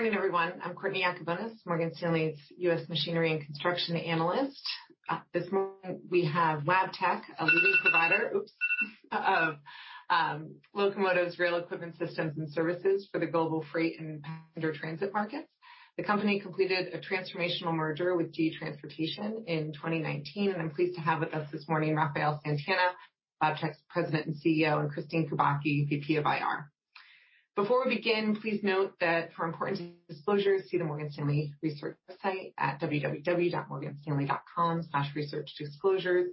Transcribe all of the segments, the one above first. Good morning, everyone. I'm Courtney Yakavonis, Morgan Stanley's US machinery and construction analyst. This morning, we have Wabtec, a leading provider of locomotives, rail equipment systems, and services for the global freight and passenger transit markets. The company completed a transformational merger with GE Transportation in 2019. I'm pleased to have with us this morning Rafael Santana, Wabtec's President and CEO, and Kristine Kubacki, VP of IR. Before we begin, please note that for important disclosures, see the Morgan Stanley research site at www.morganstanley.com/researchdisclosures.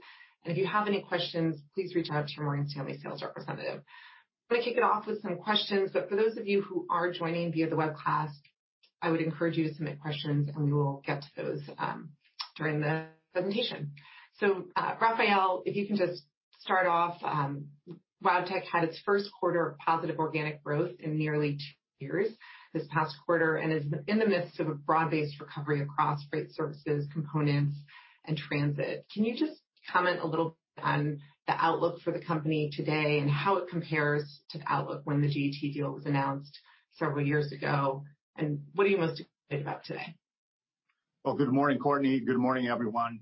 If you have any questions, please reach out to your Morgan Stanley sales representative. I'm going to kick it off with some questions, but for those of you who are joining via the web class, I would encourage you to submit questions, and we will get to those during the presentation. Rafael, if you can just start off, Wabtec had its first quarter of positive organic growth in nearly two years this past quarter and is in the midst of a broad-based recovery across freight services, components, and transit. Can you just comment a little bit on the outlook for the company today and how it compares to the outlook when the GE deal was announced several years ago? What are you most excited about today? Well, good morning, Courtney. Good morning, everyone.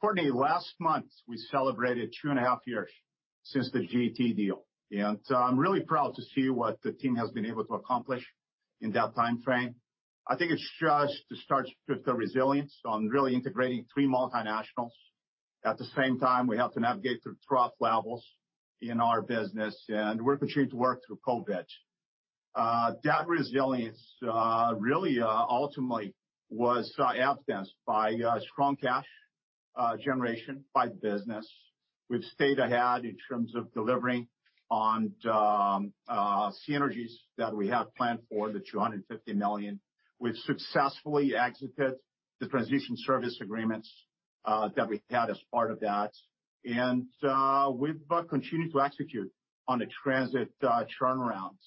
Courtney, last month, we celebrated 2.5 years since the GE deal, and I'm really proud to see what the team has been able to accomplish in that timeframe. I think it's just to start with the resilience on really integrating three multinationals. At the same time, we have to navigate through trough levels in our business, and we're continuing to work through COVID. That resilience really ultimately was evidenced by strong cash generation by the business. We've stayed ahead in terms of delivering on the synergies that we have planned for the $250 million. We've successfully executed the transition service agreements that we had as part of that. We've continued to execute on the transit turnarounds.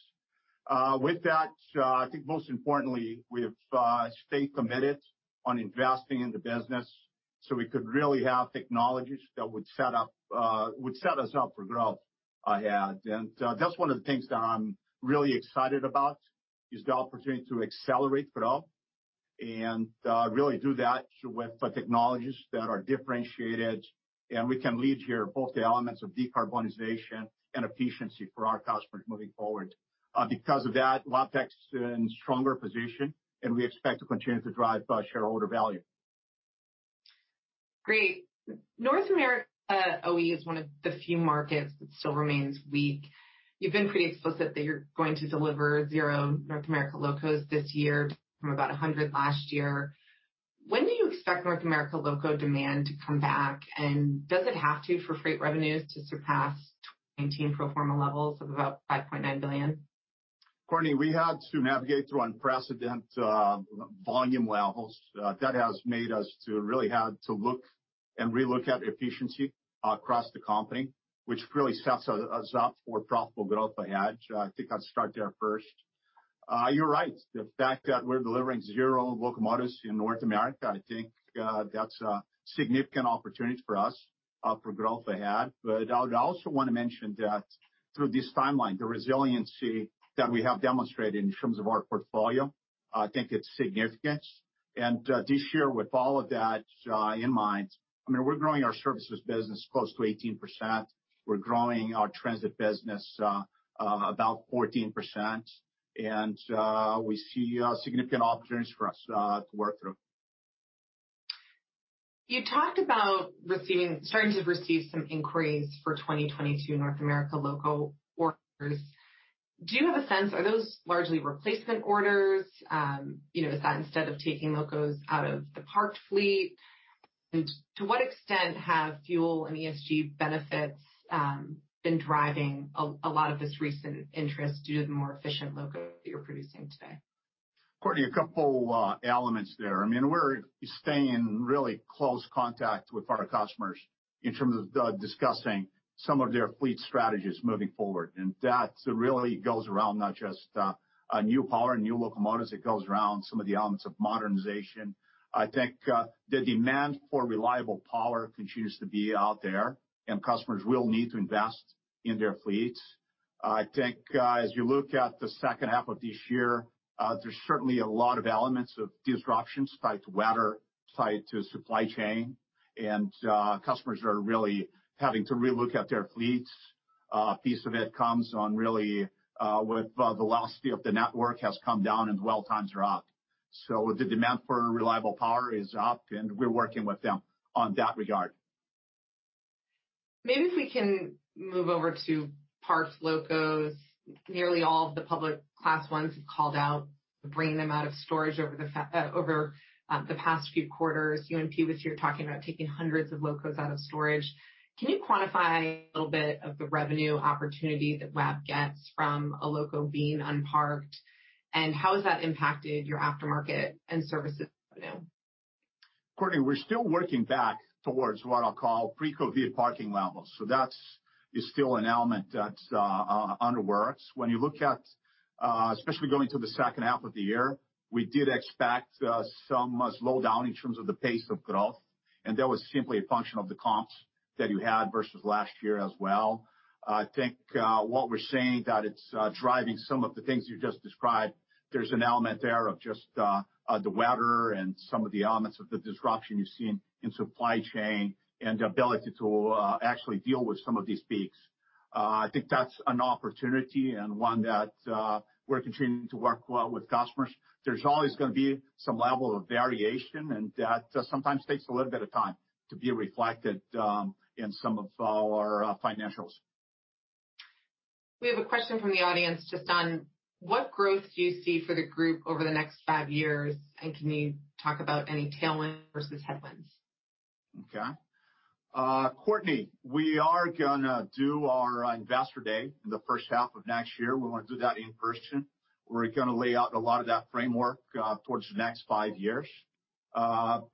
I think most importantly, we have stayed committed on investing in the business, so we could really have technologies that would set us up for growth ahead. That's one of the things that I'm really excited about, is the opportunity to accelerate growth and really do that with the technologies that are differentiated. We can lead here both the elements of decarbonization and efficiency for our customers moving forward. Wabtec's in a stronger position, and we expect to continue to drive shareholder value. Great. North America OE is one of the few markets that still remains weak. You've been pretty explicit that you're going to deliver zero North America locos this year from about 100 last year. When do you expect North America loco demand to come back? Does it have to for freight revenues to surpass 2019 pro forma levels of about $5.9 billion? Courtney, we had to navigate through unprecedented volume levels. That has made us to really had to look and relook at efficiency across the company, which really sets us up for profitable growth ahead. I think I'd start there first. You're right. The fact that we're delivering zero locomotives in North America, I think that's a significant opportunity for us for growth ahead. I'd also want to mention that through this timeline, the resiliency that we have demonstrated in terms of our portfolio, I think it's significant. This year, with all of that in mind, we're growing our services business close to 18%. We're growing our transit business about 14%, and we see significant opportunities for us to work through. You talked about starting to receive some inquiries for 2022 North America loco orders. Do you have a sense, are those largely replacement orders? Is that instead of taking locos out of the parked fleet? To what extent have fuel and ESG benefits been driving a lot of this recent interest due to the more efficient loco that you're producing today? Courtney, a couple elements there. We're staying in really close contact with our customers in terms of discussing some of their fleet strategies moving forward. That really goes around not just new power, new locomotives, it goes around some of the elements of modernization. I think the demand for reliable power continues to be out there, and customers will need to invest in their fleets. I think as you look at the second half of this year, there's certainly a lot of elements of disruption tied to weather, tied to supply chain, and customers are really having to relook at their fleets. A piece of it comes on really with the velocity of the network has come down and dwell times are up. The demand for reliable power is up, and we're working with them on that regard. Maybe if we can move over to parked locos. Nearly all of the public Class I railroads have called out bringing them out of storage over the past few quarters. UNP was here talking about taking hundreds of locos out of storage. Can you quantify a little bit of the revenue opportunity that Wab gets from a loco being unparked? How has that impacted your aftermarket and services revenue? Courtney, we're still working back towards what I'll call pre-COVID parking levels. That is still an element that's under works. When you look at especially going to the second half of the year, we did expect some slowdown in terms of the pace of growth. That was simply a function of the comps that you had versus last year as well. I think what we're saying that it's driving some of the things you just described, there's an element there of just the weather and some of the elements of the disruption you've seen in supply chain and ability to actually deal with some of these peaks. I think that's an opportunity and one that we're continuing to work well with customers. There's always going to be some level of variation, and that sometimes takes a little bit of time to be reflected in some of our financials. We have a question from the audience just on what growth do you see for the group over the next five years, and can you talk about any tailwinds versus headwinds? Courtney, we are going to do our Investor Day in the first half of next year. We want to do that in person. We're going to lay out a lot of that framework towards the next five years. I'll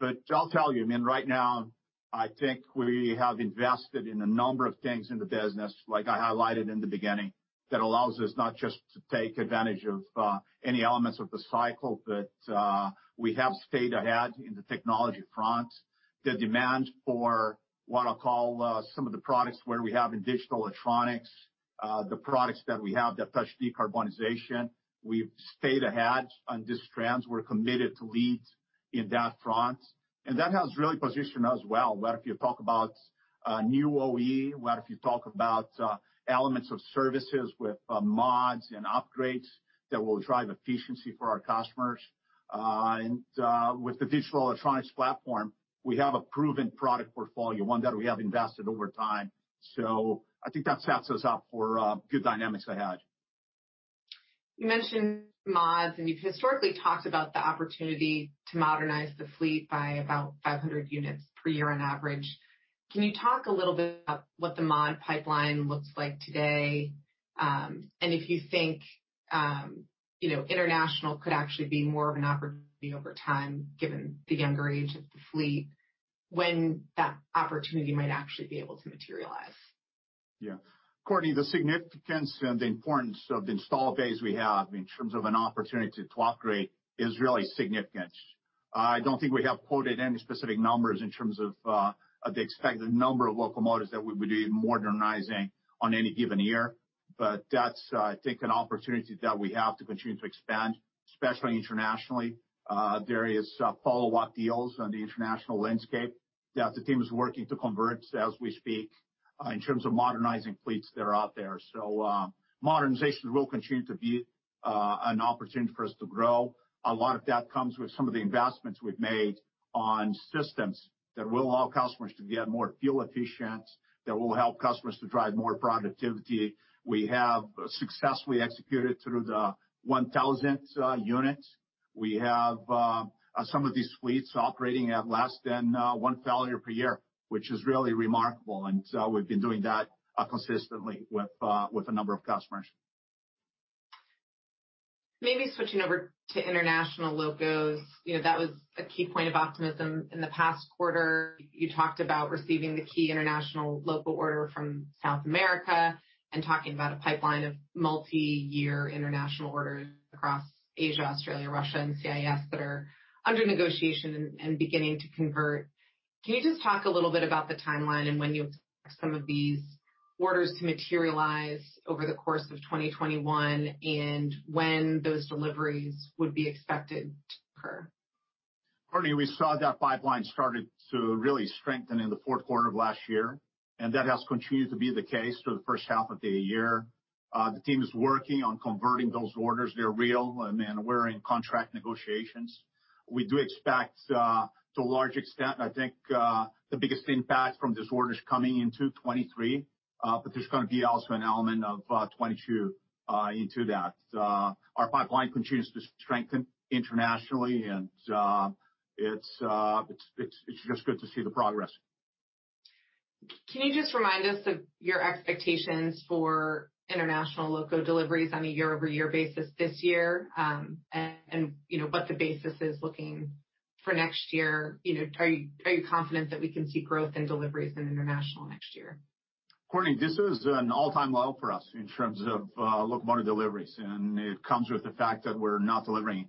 tell you, right now, I think we have invested in a number of things in the business, like I highlighted in the beginning, that allows us not just to take advantage of any elements of the cycle, but we have stayed ahead in the technology front. The demand for what I call some of the products where we have in digital electronics, the products that we have that touch decarbonization. We've stayed ahead on these trends. We're committed to lead in that front, and that has really positioned us well. Whether if you talk about new OE, whether if you talk about elements of services with mods and upgrades that will drive efficiency for our customers. With the digital electronics platform, we have a proven product portfolio, one that we have invested over time. I think that sets us up for good dynamics ahead. You mentioned mods, and you've historically talked about the opportunity to modernize the fleet by about 500 units per year on average. Can you talk a little bit about what the mod pipeline looks like today? If you think international could actually be more of an opportunity over time, given the younger age of the fleet, when that opportunity might actually be able to materialize. Courtney, the significance and the importance of the installed base we have in terms of an opportunity to upgrade is really significant. I don't think we have quoted any specific numbers in terms of the expected number of locomotives that we would be modernizing on any given year. That's, I think, an opportunity that we have to continue to expand, especially internationally. There is follow-up deals on the international landscape that the team is working to convert as we speak in terms of modernizing fleets that are out there. Modernization will continue to be an opportunity for us to grow. A lot of that comes with some of the investments we've made on systems that will allow customers to be more fuel efficient, that will help customers to drive more productivity. We have successfully executed through the 1,000th unit. We have some of these fleets operating at less than one failure per year, which is really remarkable, and we've been doing that consistently with a number of customers. Maybe switching over to international locos. That was a key point of optimism in the past quarter. You talked about receiving the key international loco order from South America and talking about a pipeline of multi-year international orders across Asia, Australia, Russia, and CIS that are under negotiation and beginning to convert. Can you just talk a little bit about the timeline and when you expect some of these orders to materialize over the course of 2021 and when those deliveries would be expected to occur? Courtney Yakavonis, we saw that pipeline started to really strengthen in the fourth quarter of last year. That has continued to be the case for the first half of the year. The team is working on converting those orders. They're real, and we're in contract negotiations. We do expect to a large extent, I think the biggest impact from these orders coming into 2023, there's going to be also an element of 2022 into that. Our pipeline continues to strengthen internationally. It's just good to see the progress. Can you just remind us of your expectations for international loco deliveries on a year-over-year basis this year? What the business is looking for next year? Are you confident that we can see growth in deliveries in international next year? Courtney, this is an all-time low for us in terms of locomotive deliveries, and it comes with the fact that we're not delivering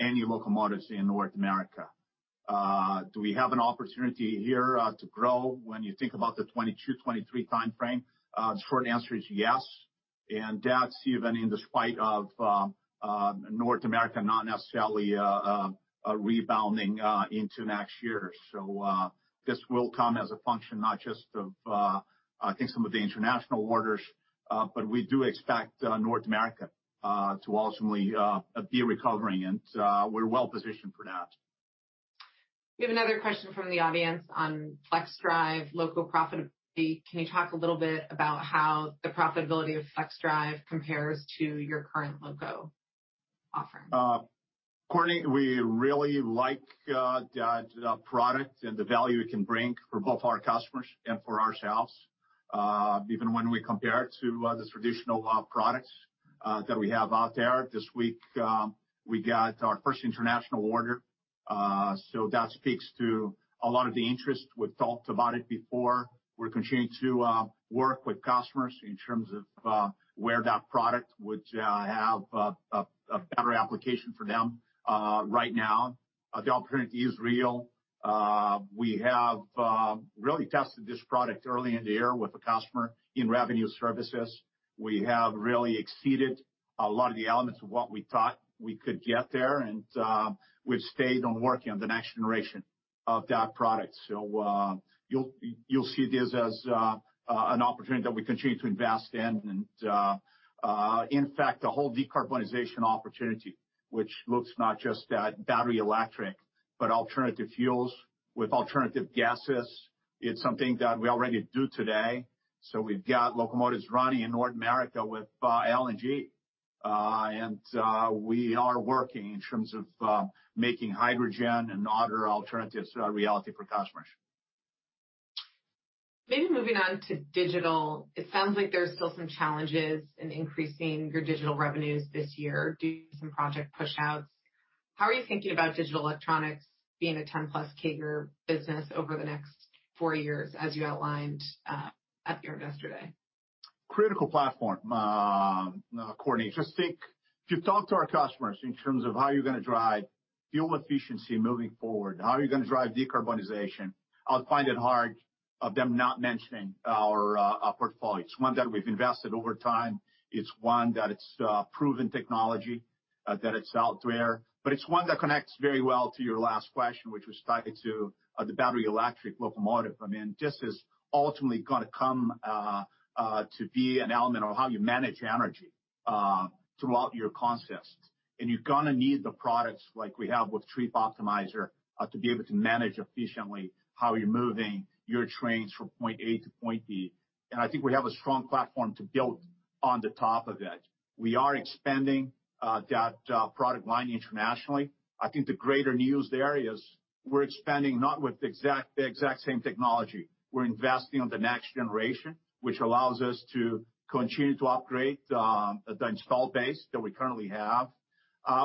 any locomotives in North America. Do we have an opportunity here to grow when you think about the 2022, 2023 time frame? The short answer is yes, and that's even in despite of North America not necessarily rebounding into next year. This will come as a function not just of, I think, some of the international orders, but we do expect North America to ultimately be recovering, and we're well-positioned for that. We have another question from the audience on FLXdrive loco profitability. Can you talk a little bit about how the profitability of FLXdrive compares to your current loco offering? Courtney, we really like the product and the value it can bring for both our customers and for ourselves. Even when we compare it to the traditional products that we have out there. This week, we got our first international order, so that speaks to a lot of the interest. We've talked about it before. We're continuing to work with customers in terms of where that product would have a better application for them right now. The opportunity is real. We have really tested this product early in the year with a customer in revenue services. We have really exceeded a lot of the elements of what we thought we could get there, and we've stayed on working on the next generation of that product. You'll see this as an opportunity that we continue to invest in. In fact, the whole decarbonization opportunity, which looks not just at battery electric, but alternative fuels with alternative gases, it is something that we already do today. We have got locomotives running in North America with LNG. We are working in terms of making hydrogen and other alternatives a reality for customers. Moving on to digital, it sounds like there's still some challenges in increasing your digital revenues this year due to some project push-outs. How are you thinking about digital electronics being a 10%+ CAGR business over the next four years, as you outlined at IR yesterday? Critical platform, Courtney. If you talk to our customers in terms of how you're going to drive fuel efficiency moving forward, how are you going to drive decarbonization? I'll find it hard of them not mentioning our portfolio. It's one that we've invested over time. It's one that it's proven technology, that it's out there. It's one that connects very well to your last question, which was tied to the battery electric locomotive. This is ultimately going to come to be an element of how you manage energy throughout your consist. You're going to need the products like we have with Trip Optimizer to be able to manage efficiently how you're moving your trains from point A to point B. I think we have a strong platform to build on the top of it. We are expanding that product line internationally. I think the greater news there is we're expanding not with the exact same technology. We're investing on the next generation, which allows us to continue to upgrade the installed base that we currently have.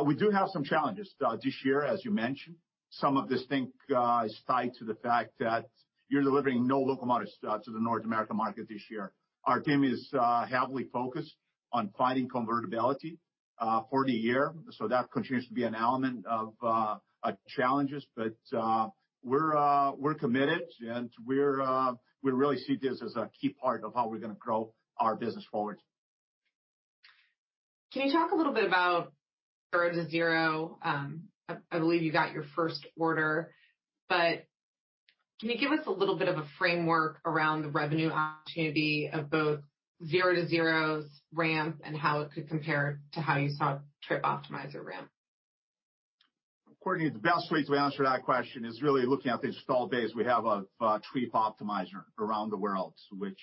We do have some challenges this year, as you mentioned. Some of this thing is tied to the fact that you're delivering no locomotives to the North American market this year. Our team is heavily focused on finding convertibility for the year, that continues to be an element of challenges. We're committed, and we really see this as a key part of how we're going to grow our business forward. Can you talk a little bit about Trip Optimizer Zero-to-Zero? I believe you got your first order. Can you give us a little bit of a framework around the revenue opportunity of both Trip Optimizer Zero-to-Zero's ramp and how it could compare to how you saw Trip Optimizer ramp? Courtney, the best way to answer that question is really looking at the installed base we have of Trip Optimizer around the world, which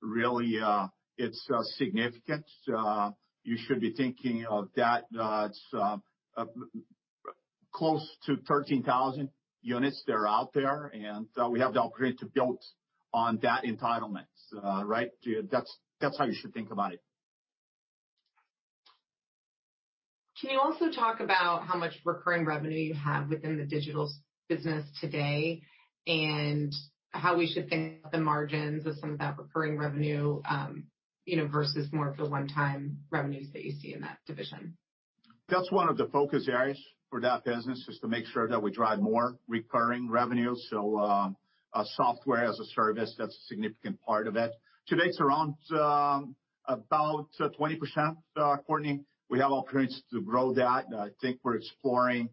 really it's significant. You should be thinking of that it's close to 13,000 units that are out there, and we have the opportunity to build on that entitlement. That's how you should think about it. Can you also talk about how much recurring revenue you have within the digital business today, and how we should think about the margins of some of that recurring revenue versus more of the one-time revenues that you see in that division? That's one of the focus areas for that business is to make sure that we drive more recurring revenue. Software as a service, that's a significant part of it. Today, it's around about 20%, Courtney. We have opportunities to grow that. I think we're exploring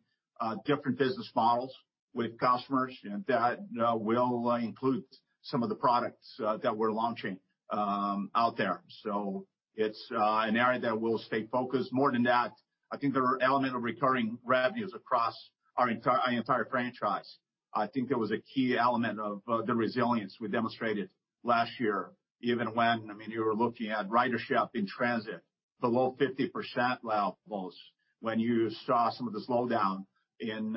different business models with customers, and that will include some of the products that we're launching out there. It's an area that we'll stay focused. More than that, I think there are elements of recurring revenues across our entire franchise. I think that was a key element of the resilience we demonstrated last year, even when you were looking at ridership in transit below 50% levels, when you saw some of the slowdown in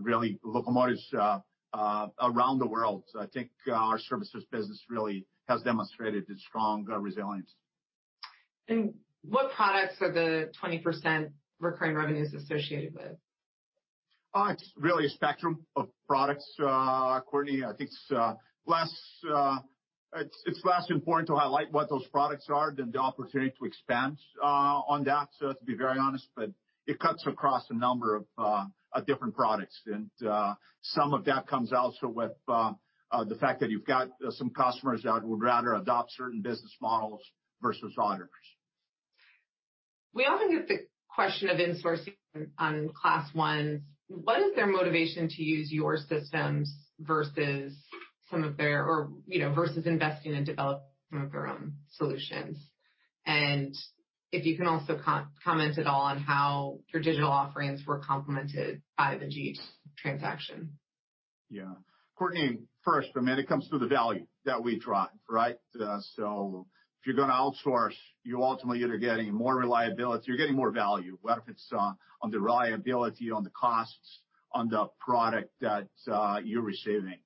really locomotives around the world. I think our services business really has demonstrated a strong resilience. What products are the 20% recurring revenues associated with? It's really a spectrum of products, Courtney. I think it's less important to highlight what those products are than the opportunity to expand on that, to be very honest. It cuts across a number of different products. Some of that comes also with the fact that you've got some customers that would rather adopt certain business models versus others. We often get the question of insourcing on Class Is. What is their motivation to use your systems versus investing in developing some of their own solutions? If you can also comment at all on how your digital offerings were complemented by the GE transaction. Courtney, first, it comes through the value that we drive, right? If you're going to outsource, you ultimately are getting more reliability, you're getting more value, whether it's on the reliability, on the costs, on the product that you're receiving.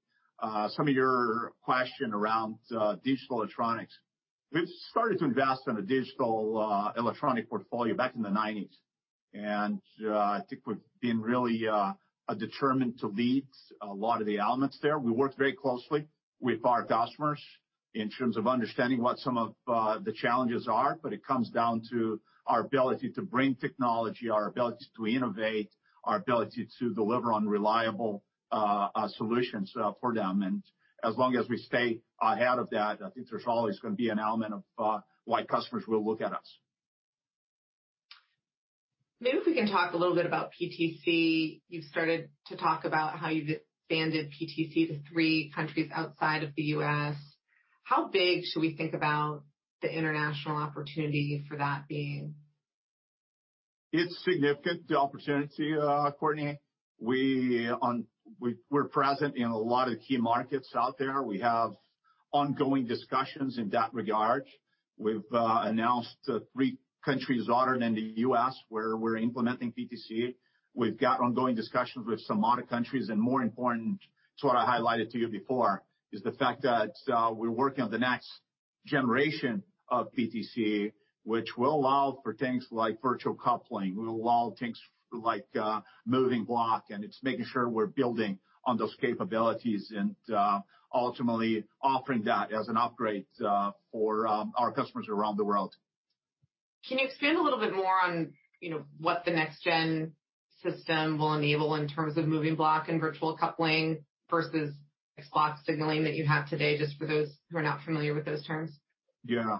Some of your question around digital electronics, we started to invest on a digital electronic portfolio back in the 1990s, and I think we've been really determined to lead a lot of the elements there. We worked very closely with our customers in terms of understanding what some of the challenges are, it comes down to our ability to bring technology, our ability to innovate, our ability to deliver on reliable solutions for them. As long as we stay ahead of that, I think there's always going to be an element of why customers will look at us. We can talk a little bit about PTC. You've started to talk about how you've expanded PTC to three countries outside of the U.S. How big should we think about the international opportunity for that being? It's significant, the opportunity, Courtney. We're present in a lot of key markets out there. We have ongoing discussions in that regard. We've announced three countries other than the U.S. where we're implementing PTC. We've got ongoing discussions with some other countries, and more important to what I highlighted to you before, is the fact that we're working on the next generation of PTC, which will allow for things like virtual coupling, will allow things like moving block, and it's making sure we're building on those capabilities and, ultimately, offering that as an upgrade for our customers around the world. Can you expand a little bit more on what the next-gen system will enable in terms of moving block and virtual coupling versus block signaling that you have today, just for those who are not familiar with those terms? Yeah.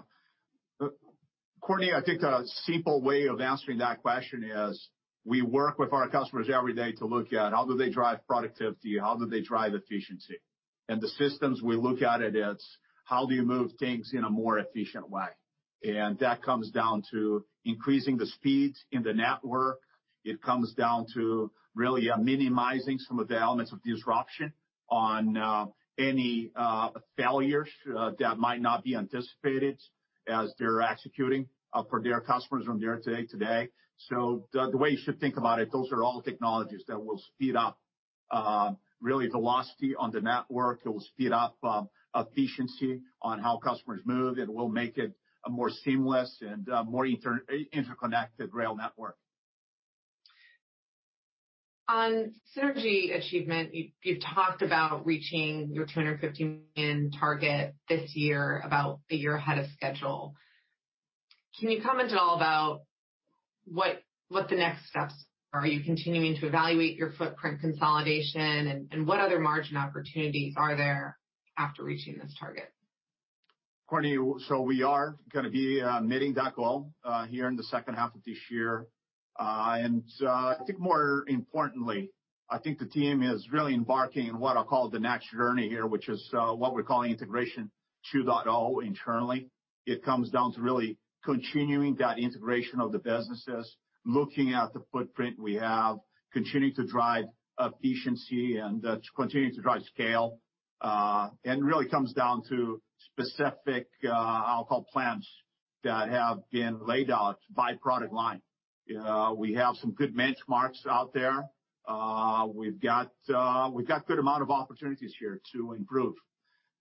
Courtney Yakavonis, I think the simple way of answering that question is we work with our customers every day to look at how do they drive productivity, how do they drive efficiency. The systems, we look at it's how do you move things in a more efficient way. That comes down to increasing the speeds in the network. It comes down to really minimizing some of the elements of disruption on any failures that might not be anticipated as they're executing for their customers from day to day. The way you should think about it, those are all technologies that will speed up, really, velocity on the network. It will speed up efficiency on how customers move, and will make it a more seamless and more interconnected rail network. On synergy achievement, you've talked about reaching your $250 million target this year, about a year ahead of schedule. Can you comment at all about what the next steps are? Are you continuing to evaluate your footprint consolidation, and what other margin opportunities are there after reaching this target? Courtney, we are going to be meeting that goal here in the second half of this year. I think more importantly, I think the team is really embarking on what I'll call the next journey here, which is what we're calling Integration 2.0 internally. It comes down to really continuing that integration of the businesses, looking at the footprint we have, continuing to drive efficiency and continuing to drive scale. Really comes down to specific, I'll call, plans that have been laid out by product line. We have some good benchmarks out there. We've got good amount of opportunities here to improve.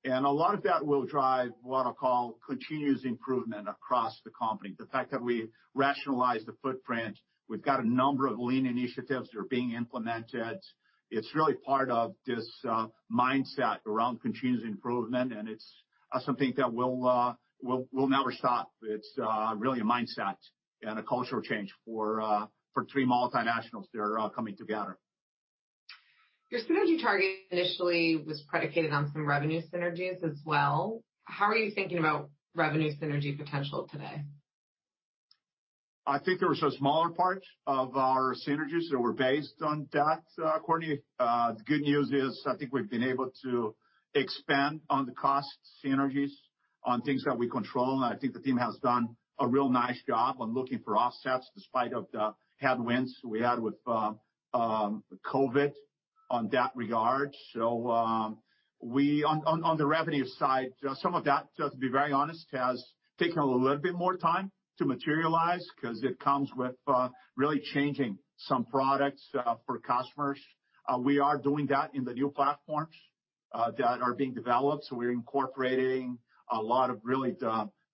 A lot of that will drive what I call continuous improvement across the company. The fact that we rationalize the footprint, we've got a number of lean initiatives that are being implemented. It's really part of this mindset around continuous improvement, and it's something that we'll never stop. It's really a mindset and a cultural change for three multinationals that are coming together. Your synergy target initially was predicated on some revenue synergies as well. How are you thinking about revenue synergy potential today? I think there were some smaller parts of our synergies that were based on that, Courtney. The good news is, I think we've been able to expand on the cost synergies on things that we control, and I think the team has done a real nice job on looking for offsets despite of the headwinds we had with COVID on that regard. On the revenue side, some of that, just to be very honest, has taken a little bit more time to materialize because it comes with really changing some products for customers. We are doing that in the new platforms that are being developed. We're incorporating a lot of really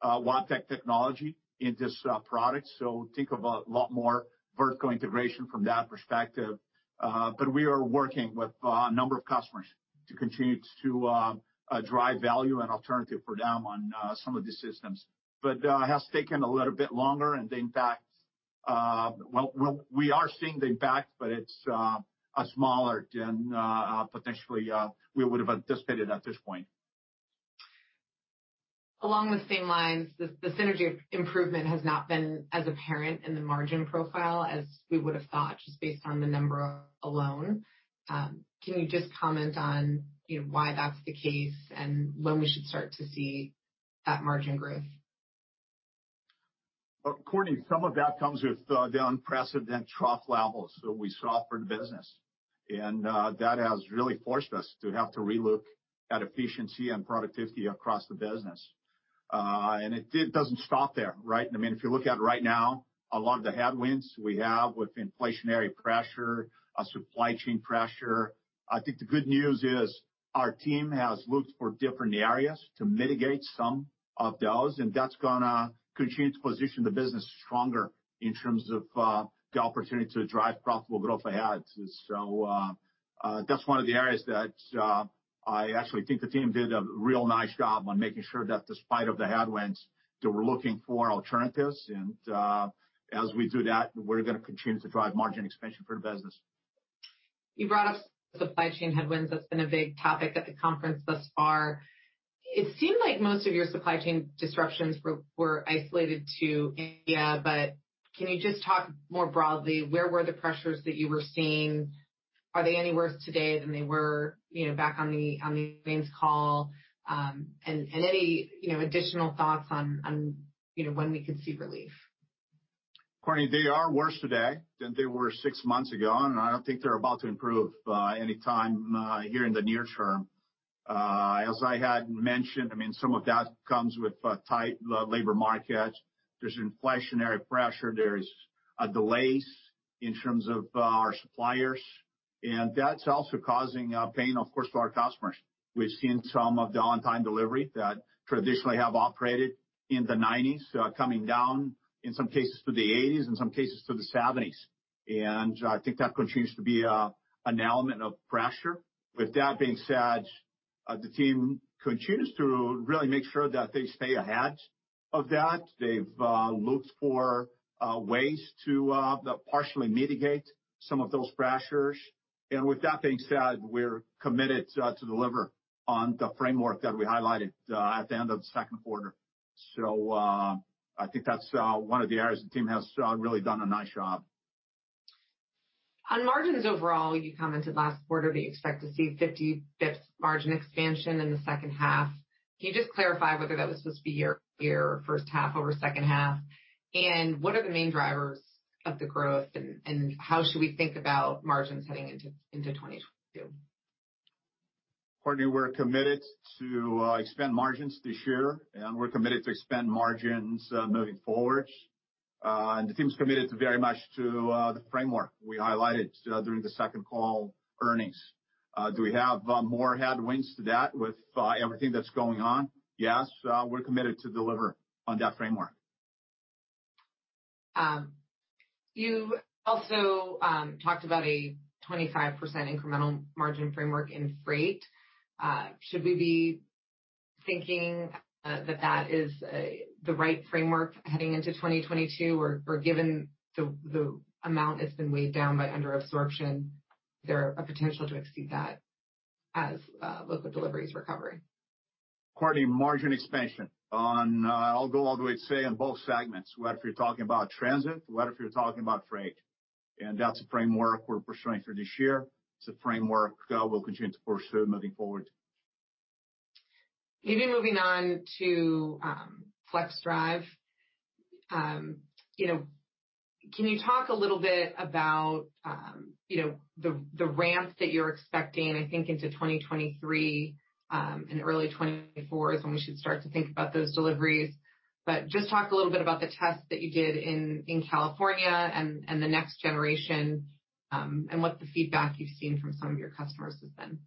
Wabtec technology into products. Think of a lot more vertical integration from that perspective. We are working with a number of customers to continue to drive value and alternative for them on some of the systems. It has taken a little bit longer and, well, we are seeing the impact, but it's smaller than potentially we would have anticipated at this point. Along the same lines, the synergy improvement has not been as apparent in the margin profile as we would have thought, just based on the number alone. Can you just comment on why that's the case and when we should start to see that margin growth? Courtney, some of that comes with the unprecedented trough levels that we saw for the business. That has really forced us to have to relook at efficiency and productivity across the business. It doesn't stop there, right? If you look at right now, a lot of the headwinds we have with inflationary pressure, supply chain pressure, I think the good news is our team has looked for different areas to mitigate some of those, and that's going to continue to position the business stronger in terms of the opportunity to drive profitable growth ahead. That's one of the areas that I actually think the team did a real nice job on making sure that despite of the headwinds, that we're looking for alternatives, and as we do that, we're going to continue to drive margin expansion for the business. You brought up supply chain headwinds. That's been a big topic at the conference thus far. It seemed like most of your supply chain disruptions were isolated to India. Can you just talk more broadly, where were the pressures that you were seeing? Are they any worse today than they were back on the earnings call? Any additional thoughts on when we could see relief? Courtney, they are worse today than they were six months ago, and I don't think they're about to improve anytime here in the near term. As I had mentioned, some of that comes with tight labor markets. There's inflationary pressure. There's delays in terms of our suppliers, and that's also causing pain, of course, to our customers. We've seen some of the on-time delivery that traditionally have operated in the nineties, coming down, in some cases, to the eighties, in some cases to the seventies. I think that continues to be an element of pressure. With that being said, the team continues to really make sure that they stay ahead of that. They've looked for ways to partially mitigate some of those pressures. With that being said, we're committed to deliver on the framework that we highlighted at the end of the second quarter. I think that's one of the areas the team has really done a nice job. On margins overall, you commented last quarter that you expect to see 50 basis points margin expansion in the second half. Can you just clarify whether that was supposed to be year-over-year or first half over second half? What are the main drivers of the growth, and how should we think about margins heading into 2022? Courtney, we're committed to expand margins this year. We're committed to expand margins moving forward. The team's committed very much to the framework we highlighted during the second call earnings. Do we have more headwinds to that with everything that's going on? Yes. We're committed to deliver on that framework. You also talked about a 25% incremental margin framework in freight. Should we be thinking that that is the right framework heading into 2022? Given the amount that's been weighed down by under absorption, is there a potential to exceed that as loco delivery is recovering? Courtney, margin expansion on, I'll go all the way to say in both segments, whether if you're talking about transit, whether if you're talking about freight, and that's the framework we're pursuing for this year. It's a framework we'll continue to pursue moving forward. Maybe moving on to FLXdrive. Can you talk a little bit about the ramps that you're expecting, I think into 2023, and early 2024 is when we should start to think about those deliveries. Just talk a little bit about the test that you did in California and the next generation, and what the feedback you've seen from some of your customers has been.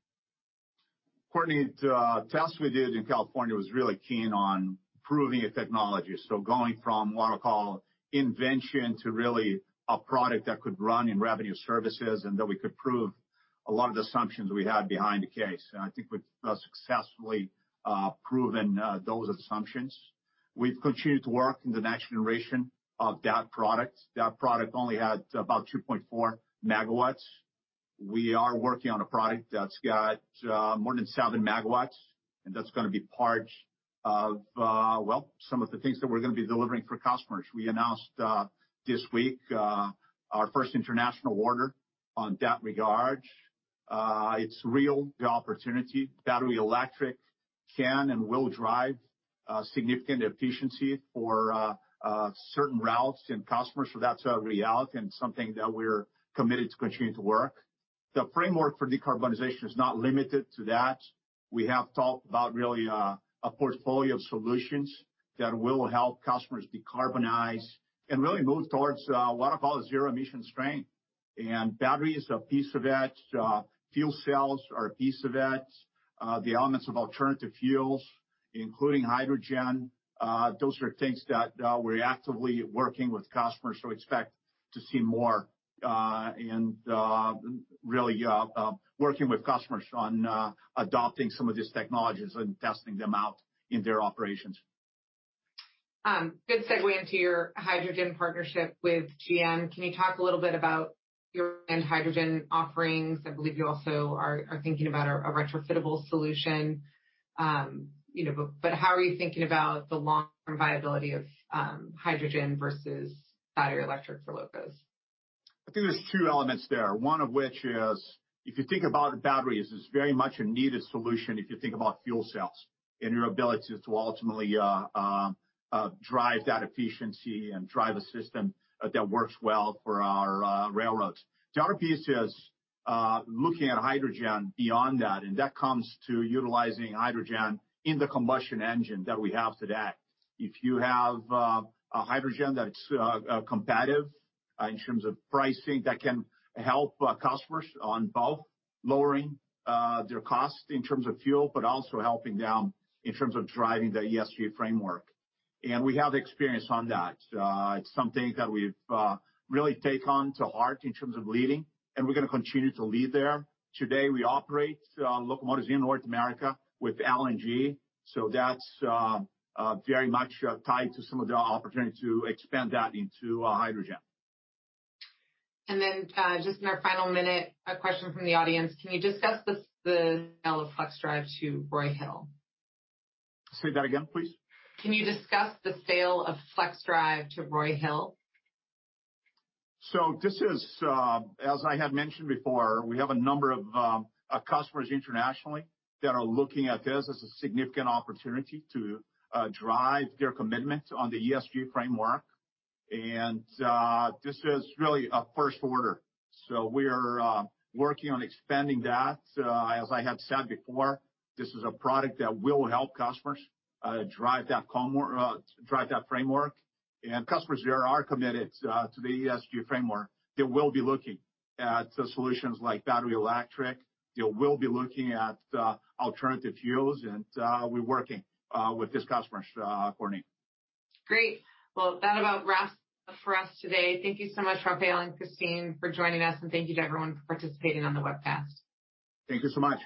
Courtney, the test we did in California was really keen on proving a technology. Going from what I call invention to really a product that could run in revenue services and that we could prove a lot of the assumptions we had behind the case. I think we've successfully proven those assumptions. We've continued to work in the next generation of that product. That product only had about 2.4 MW. We are working on a product that's got more than 7 MW, and that's going to be part of, well some of the things that we're going to be delivering for customers. We announced this week, our first international order on that regard. It's real, the opportunity. Battery electric can and will drive significant efficiency for certain routes and customers. That's a reality and something that we're committed to continue to work. The framework for decarbonization is not limited to that. We have talked about really a portfolio of solutions that will help customers decarbonize and really move towards what I call a zero-emission trains. Battery is a piece of it, fuel cells are a piece of it, the elements of alternative fuels, including hydrogen. Those are things that we're actively working with customers, so expect to see more and really working with customers on adopting some of these technologies and testing them out in their operations. Good segue into your hydrogen partnership with GM. Can you talk a little bit about your end hydrogen offerings? I believe you also are thinking about a retrofittable solution. How are you thinking about the long-term viability of hydrogen versus battery electric for Locos? I think there's two elements there. One of which is, if you think about batteries, it's very much a needed solution if you think about fuel cells and your ability to ultimately drive that efficiency and drive a system that works well for our railroads. The other piece is looking at hydrogen beyond that. That comes to utilizing hydrogen in the combustion engine that we have today. If you have a hydrogen that's competitive in terms of pricing, that can help customers on both lowering their cost in terms of fuel, but also helping them in terms of driving the ESG framework. We have the experience on that. It's something that we've really taken to heart in terms of leading. We're going to continue to lead there. Today, we operate locomotives in North America with LNG, so that's very much tied to some of the opportunity to expand that into hydrogen. Then, just in our final minute, a question from the audience. Can you discuss the sale of FLXdrive to Roy Hill? Say that again, please. Can you discuss the sale of FLXdrive to Roy Hill? This is, as I had mentioned before, we have a number of customers internationally that are looking at this as a significant opportunity to drive their commitment on the ESG framework. This is really a first order. We're working on expanding that. As I have said before, this is a product that will help customers drive that framework. Customers there are committed to the ESG framework. They will be looking at solutions like battery electric. They will be looking at alternative fuels, and we're working with these customers, Courtney. Great. Well, that about wraps it for us today. Thank you so much, Rafael and Kristine, for joining us, and thank you to everyone for participating on the webcast. Thank you so much.